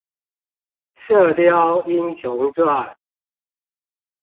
射鵰英雄傳